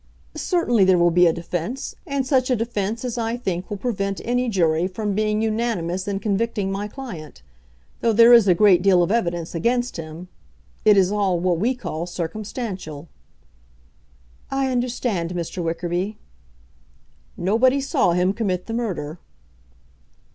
"Certainly there will be a defence, and such a defence as I think will prevent any jury from being unanimous in convicting my client. Though there is a great deal of evidence against him, it is all what we call circumstantial." "I understand, Mr. Wickerby." "Nobody saw him commit the murder."